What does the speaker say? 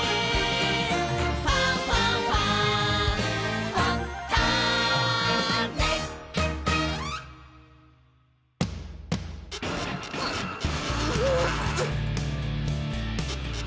「ファンファンファン」ふん！